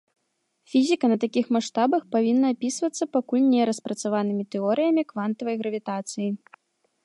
Фізіка на такіх маштабах павінна апісвацца пакуль не распрацаванымі тэорыямі квантавай гравітацыі.